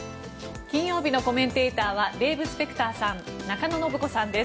金曜日のコメンテーターはデーブ・スペクターさん中野信子さんです。